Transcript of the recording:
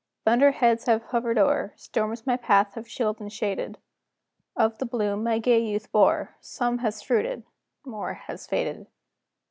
Thunder heads have hovered o'er Storms my path have chilled and shaded; Of the bloom my gay youth bore, Some has fruited more has faded."